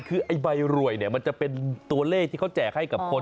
คือไอ้ใบรวยเนี่ยมันจะเป็นตัวเลขที่เขาแจกให้กับคน